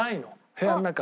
部屋の中。